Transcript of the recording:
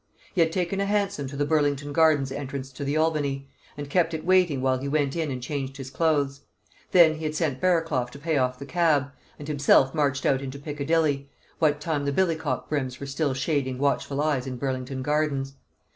He had taken a hansom to the Burlington Gardens entrance to the Albany, and kept it waiting while he went in and changed his clothes; then he had sent Barraclough to pay off the cab, and himself marched out into Piccadilly, what time the billycock brims were still shading watchful eyes in Burlington Gardens.